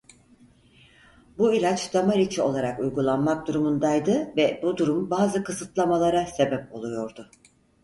Bu ilaç damar içi olarak uygulanmak durumundaydı ve bu durum bazı kısıtlamalara sebep oluyordu.